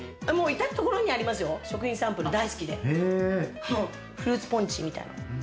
至るところにありますよ、食品サンプル大好きで、フルーツポンチみたいな。